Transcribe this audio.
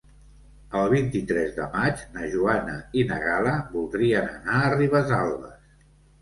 El vint-i-tres de maig na Joana i na Gal·la voldrien anar a Ribesalbes.